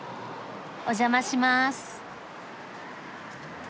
お邪魔します。